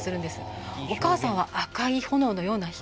お母さんは赤い炎のような光。